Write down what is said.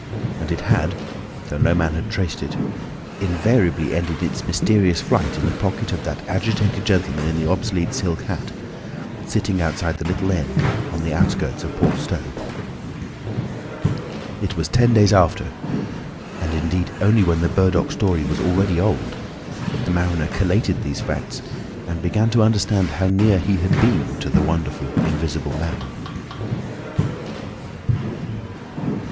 And it had, though no man had traced it, invariably ended its mysterious flight in the pocket of that agitated gentleman in the obsolete silk hat, sitting outside the little inn on the outskirts of Port Stowe. It was ten days after—and indeed only when the Burdock story was already old—that the mariner collated these facts and began to understand how near he had been to the wonderful Invisible Man.